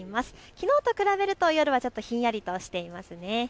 きのうと比べると夜はちょっとひんやりとしていますね。